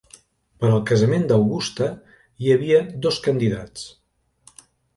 Per al casament d'Augusta, hi havia dos candidats.